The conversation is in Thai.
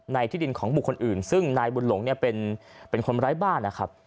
ที่ดินของบุคคลอื่นซึ่งนายบุญหลงเนี่ยเป็นคนร้ายบ้านนะครับ